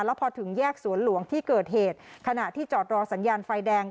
แล้วพอถึงแยกสวนหลวงที่เกิดเหตุขณะที่จอดรอสัญญาณไฟแดง